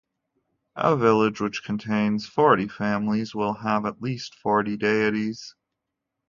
A village which contains forty families will have at least forty deities.